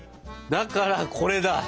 だからこれだ！